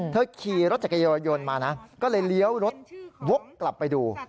เธอขี่รถจักรยนตร์มาก็เลยเลี้ยวรถรถกลับไปดู